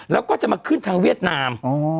แล้วก็จะมาขึ้นทางเวียดนาม